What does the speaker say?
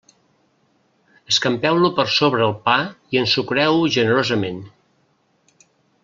Escampeu-lo per sobre el pa i ensucreu-ho generosament.